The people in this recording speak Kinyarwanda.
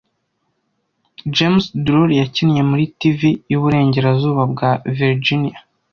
James Drury yakinnye muri TV yuburengerazuba bwa Virginian